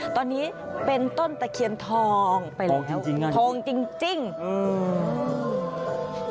ตอนนี้เป็นต้นตะเคียนทองไปแล้วทองจริงงั้นทองจริงอืม